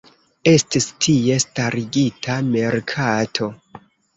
Estis tie starigita merkato.